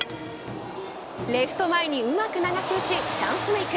レフト前にうまく流し打ちチャンスメイク。